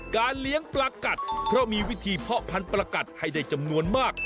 เลี้ยงปลากัดเพราะมีวิธีเพาะพันธุ์ประกัดให้ได้จำนวนมาก